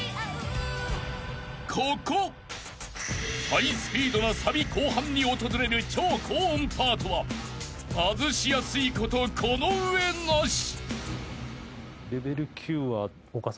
［ハイスピードなサビ後半に訪れる超高音パートは外しやすいことこの上なし］